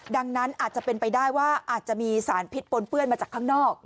ดังนั้นอาจจะเป็นไปได้ว่าอาจจะมีสารพิษปนเปื้อนมาจากข้างนอก